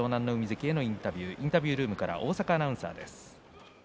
インタビュールームから大坂アナウンサーです。